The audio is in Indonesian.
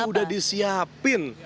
tadi udah disiapin